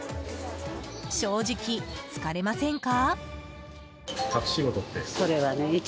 正直、疲れませんか？